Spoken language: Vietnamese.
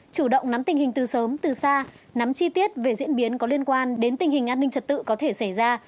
chủ động nắm tình hình từ sớm từ xa nắm chi tiết về diễn biến có liên quan đến tình hình an ninh trật tự có thể xảy ra